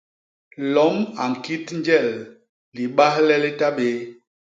Lom a ñkit njel libahle li ta bé.